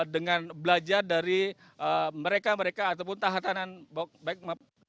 dengan belajar dari mereka mereka ataupun tahan tahanan